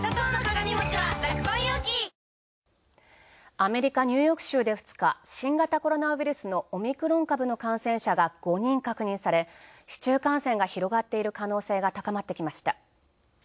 アメリカ、ニューヨーク州で２日、新型コロナウイルスのオミクロン株の感染者が５人確認され、市中感染が広がっている可能性が高まってきました。